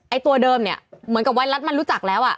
ไอ้ตัวเดิมเหมือนกับไวรัสมันรู้จักแล้ว